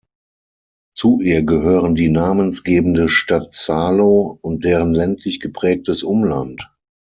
Zu ihr gehören die namensgebende Stadt Salo und deren ländlich geprägtes Umland.